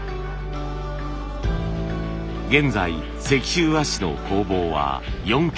現在石州和紙の工房は４軒。